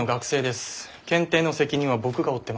検定の責任は僕が負ってます。